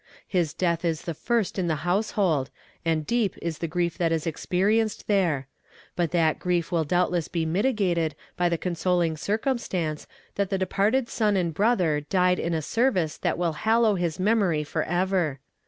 His death is the first in the household, and deep is the grief that is experienced there; but that grief will doubtless be mitigated by the consoling circumstance that the departed son and brother died in a service that will hallow his memory forever.